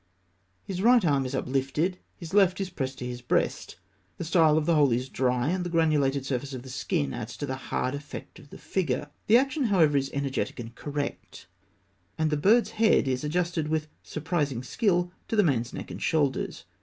His right arm is uplifted, his left is pressed to his breast. The style of the whole is dry, and the granulated surface of the skin adds to the hard effect of the figure. The action, however, is energetic and correct, and the bird's head is adjusted with surprising skill to the man's neck and shoulders.